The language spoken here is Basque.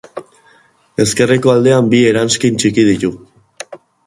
Ezkerreko aldean bi eranskin txiki ditu.